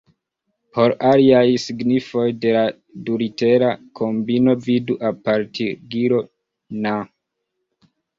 Por aliaj signifoj de la dulitera kombino vidu apartigilon Na".